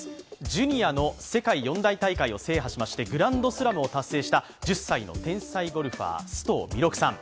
ジュニアの世界四大大会を制覇しましてグランドスラムを達成した１０歳の天才ゴルファー、須藤弥勒さん。